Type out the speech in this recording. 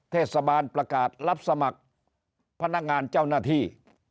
เทศบาลประกาศรับสมัครพนักงานเจ้าหน้าที่